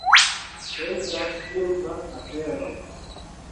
Estas simpla afero.